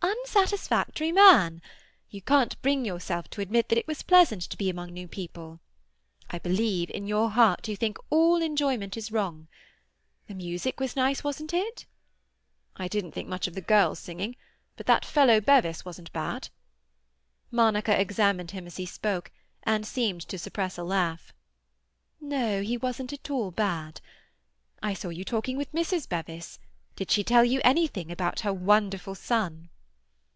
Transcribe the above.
"Unsatisfactory man! You can't bring yourself to admit that it was pleasant to be among new people. I believe, in your heart, you think all enjoyment is wrong. The music was nice, wasn't it?" "I didn't think much of the girl's singing, but that fellow Bevis wasn't bad." Monica examined him as he spoke, and seemed to suppress a laugh. "No, he wasn't at all bad. I saw you talking with Mrs. Bevis. Did she tell you anything about her wonderful son?"